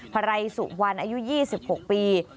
ไพรสุวรรณอายุ๒๖ปี